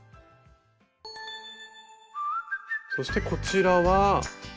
そしてこちらは。